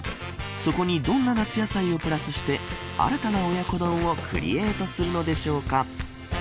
そこにどんな夏野菜をプラスして新たな親子丼をクリエイトするのでしょうか。